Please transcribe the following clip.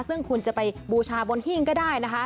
ซึ่งคุณจะไปบูชาบนหิ้งก็ได้นะคะ